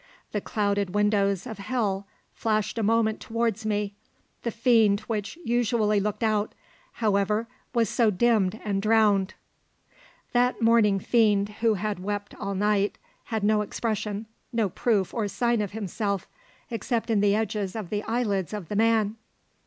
"The clouded windows of Hell flashed a moment towards me; the fiend which usually looked out, however, was so dimmed and drowned " That mourning fiend, who had wept all night, had no expression, no proof or sign of himself, except in the edges of the eyelids of the man.